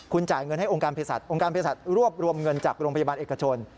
คุณจ่ายเงินให้องค์การเพศัตวองค์การเพศัตว์รวบรวมเงินจากโรงพยาบาลเอกชน